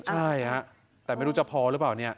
ใช่ครับแต่ไม่รู้จะพอหรือหรือเปล่า